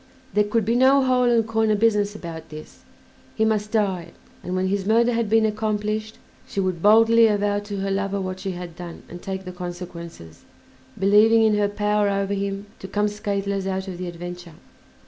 There could be no hole and corner business about this; he must die, and when his murder had been accomplished she would boldly avow to her lover what she had done and take the consequences, believing in her power over him to come scatheless out of the adventure.